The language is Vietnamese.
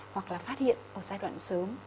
hoặc là phát hiện ở giai đoạn sớm